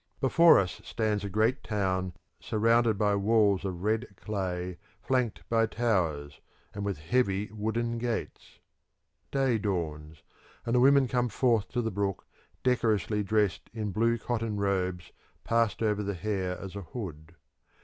Before us stands a great town surrounded by walls of red clay flanked by towers, and with heavy wooden gates. Day dawns, and the women come forth to the brook decorously dressed in blue cotton robes passed over the hair as a hood.